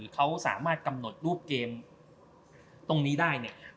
เขาสามารถกำหนดรูปเกมตรงนี้ได้เนี่ย